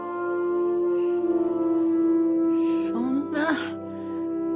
そんな。